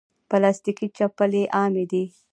پلاستيکي چپلی عامې دي.